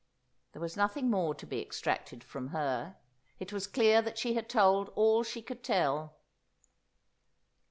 There was nothing more to be extracted from her. It was clear that she had told all she could tell.